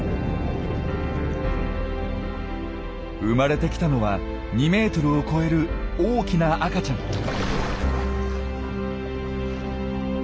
生まれてきたのは２ｍを超える大きな赤ちゃん。